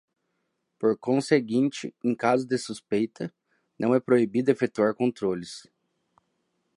Por conseguinte, em caso de suspeita, não é proibido efetuar controles.